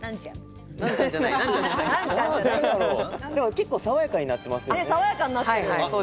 結構爽やかになってますよね。